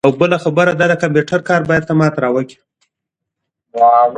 لوستې میندې د ماشوم لپاره سالم نظم جوړوي.